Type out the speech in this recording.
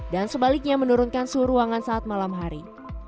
dan sebaliknya menurunkan suhu ruangan saat malam hari